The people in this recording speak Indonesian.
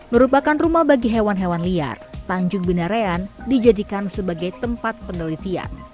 merupakan rumah bagi hewan hewan liar tanjung binarean dijadikan sebagai tempat penelitian